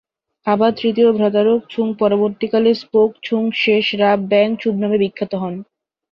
তার তৃতীয় ভ্রাতা রোগ-ছুং পরবর্তীকালে স্গোম-ছুং-শেস-রাব-ব্যাং-ছুব নামে বিখ্যাত হন।